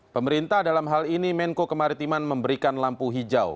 pemerintah dalam hal ini menko kemaritiman memberikan lampu hijau